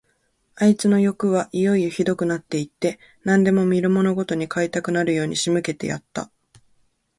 あいつのよくはいよいよひどくなって行って、何でも見るものごとに買いたくなるように仕向けてやった。